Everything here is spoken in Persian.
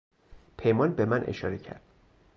پیمان به من اشاره کرد.